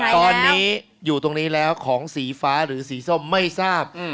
ตอนนี้อยู่ตรงนี้แล้วของสีฟ้าหรือสีส้มไม่ทราบ